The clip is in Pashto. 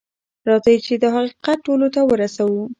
راځئ چې دا حقیقت ټولو ته ورسوو.